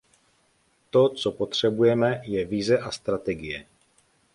To, co potřebujeme, je vize a strategie.